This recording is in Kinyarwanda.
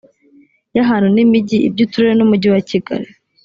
y ahantu n imijyi iby uturere n umujyi wa kigali